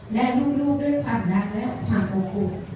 และลูกด้วยความรักและความอบอุ่น